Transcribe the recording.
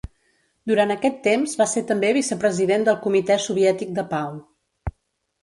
Durant aquest temps va ser també vicepresident del Comitè Soviètic de Pau.